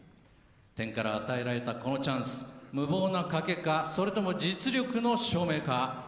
天から与えられたこのチャンス、無謀な賭けかそれとも実力の証明か。